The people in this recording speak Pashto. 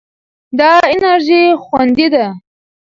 دا انرژي خوندي ده.